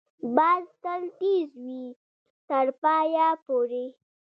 باز تل تېز وي، تر پایه پورې